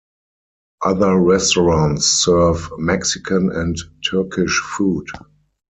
Other restaurants serve Mexican and Turkish food.